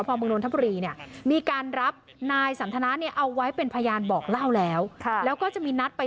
คนมีน่ามีการรับนายสันถนาเนี่ยเอาไว้เป็นพยานบอกเล่าแล้วแล้วก็จะมีนัดไป